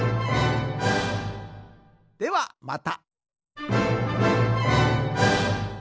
ではまた。